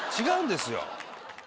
違うんですよ。